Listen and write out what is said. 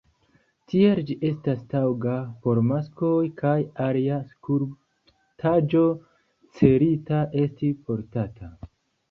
Tiel ĝi estas taŭga por maskoj kaj alia skulptaĵo celita esti portata.